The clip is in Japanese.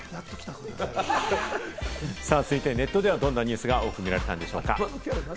続いてネットではどんなニュースが多く見られたのでしょうか。